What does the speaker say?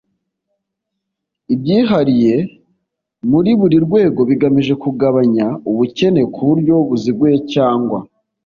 ibyihariye muri buri rwego bigamije kugabanya ubukene, ku buryo buziguye cyangwa